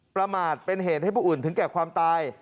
ประมาทเป็นเหตุให้ผู้อื่นถึงแก่ความตาย